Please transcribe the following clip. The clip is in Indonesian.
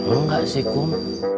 enggak sih kum